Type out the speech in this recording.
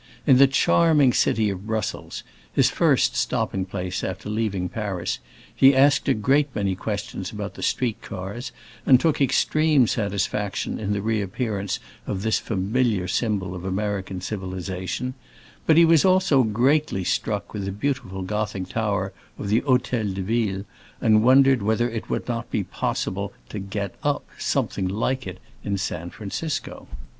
In the charming city of Brussels—his first stopping place after leaving Paris—he asked a great many questions about the street cars, and took extreme satisfaction in the reappearance of this familiar symbol of American civilization; but he was also greatly struck with the beautiful Gothic tower of the Hôtel de Ville, and wondered whether it would not be possible to "get up" something like it in San Francisco.